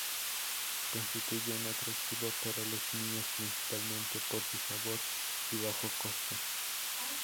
Constituye un atractivo para los niños principalmente por su sabor y bajo costo.